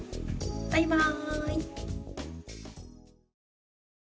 バイバーイ！